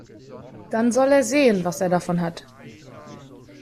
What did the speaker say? Dann soll er sehen, was er davon hat.